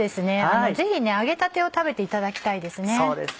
ぜひ揚げたてを食べていただきたいですね。